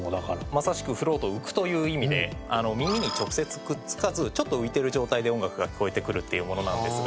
まさしくフロート浮くという意味で耳に直接くっつかずちょっと浮いてる状態で音楽が聞こえてくるっていうものなんですが。